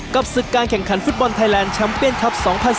กับศึกการแข่งขันฟุตบอลไทยแลนด์แชมเปียนครับ๒๐๑๙